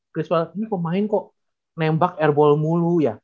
chris well ini pemain kok nembak airball mulu ya